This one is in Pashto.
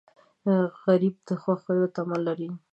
غریب د خوښیو تمه لري